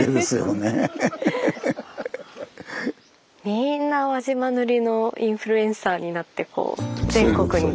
みんな輪島塗のインフルエンサーになってこう全国に。